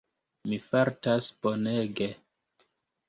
Mi fartas bonege.